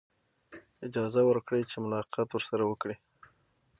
اجازه ورکړي چې ملاقات ورسره وکړي.